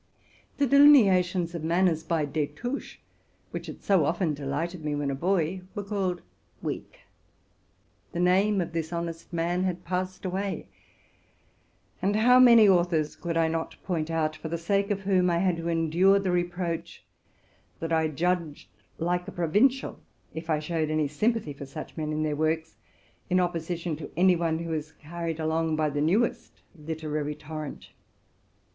The delineations of manners by Destouches, which had so often delighted me when a boy, were called weak ; the name of this honest man had passed away: and how many authors could I not point out, for the sake of whom I had to endure the reproach, that I judged like a provincial, if I showed any sympathy for such men and their works, in opposition to any one who was carried along by the newest literary torrent